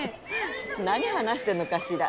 何話してんのかしら。